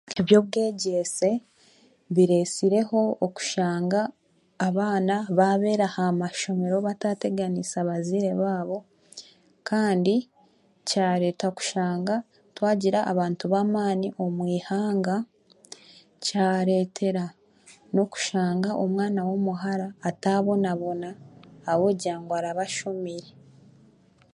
Eby'obwegyese biresireho okushanga abaana babeera aha mashomero batateganiisa abazeire baabo kandi kyareta kushanga twagira abantu b'amaani omw'eihanga kyaretera n'okushanga omwaana w'omuhara atabonabona ahabw'okugira ngu araba ashomire.